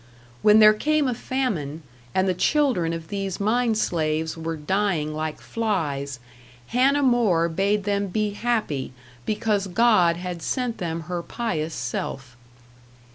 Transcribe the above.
When there came a famine, and the children of these mine slaves were dying like flies, Hannah More bade them be happy because God had sent them her pious self.